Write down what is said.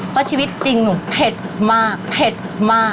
เพราะชีวิตจริงหนูเผ็ดมากเผ็ดมาก